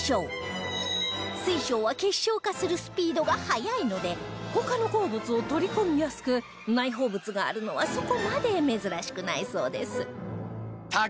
水晶は結晶化するスピードが速いので他の鉱物を取り込みやすく内包物があるのはそこまで珍しくないそうです